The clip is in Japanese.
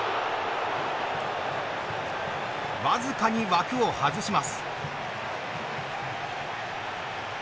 僅かに枠を外します。